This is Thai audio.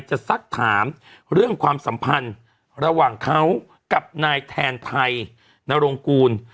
สักถามเรื่องความสัมพันธ์ระหว่างเขากับนายแทนไทยนรงกูล